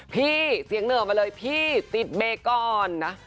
พี่เสียงเหน่อมาเลยพี่ติดเบรกก่อนนะ